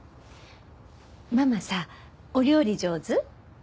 ママさお料理上手？